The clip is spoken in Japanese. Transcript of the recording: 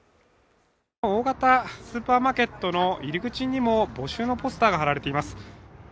大型スーパーマーケットの入口にも募集のポスターが貼られています。